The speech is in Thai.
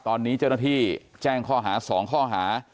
ตอนนี้เจ้าหน้าที่แจ้งข้อหา๒ข้อหา